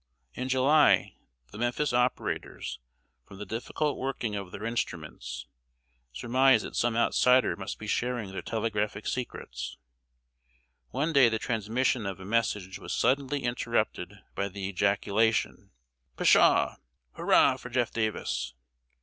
In July, the Memphis operators, from the difficult working of their instruments, surmised that some outsider must be sharing their telegraphic secrets. One day the transmission of a message was suddenly interrupted by the ejaculation: "Pshaw! Hurra for Jeff Davis!"